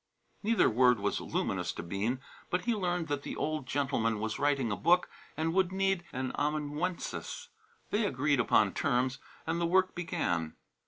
Neither word was luminous to Bean, but he learned that the old gentleman was writing a book and would need an amanuensis. They agreed upon terms and the work began.